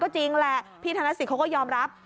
พี่ธนสิตก็ยอมรับ